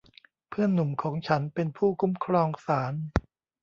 เพื่อนหนุ่มของฉันเป็นผู้คุ้มครองศาล